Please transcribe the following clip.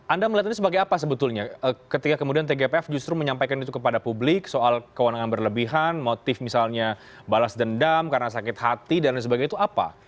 anda melihat ini sebagai apa sebetulnya ketika kemudian tgpf justru menyampaikan itu kepada publik soal kewenangan berlebihan motif misalnya balas dendam karena sakit hati dan sebagainya itu apa